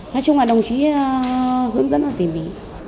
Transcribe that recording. nói chung là đồng chí hướng dẫn là tỉ mỉ